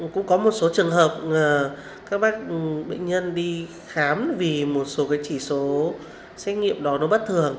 cũng có một số trường hợp các bác bệnh nhân đi khám vì một số cái chỉ số xét nghiệm đó nó bất thường